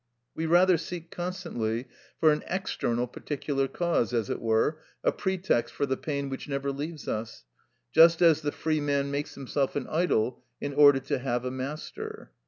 We rather seek constantly for an external particular cause, as it were, a pretext for the pain which never leaves us, just as the free man makes himself an idol, in order to have a master.